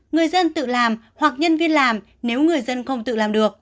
người dân tự làm hoặc nhân viên làm nếu người dân không tự làm được